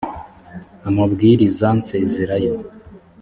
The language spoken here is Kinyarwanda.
amabwiriza n sezar yo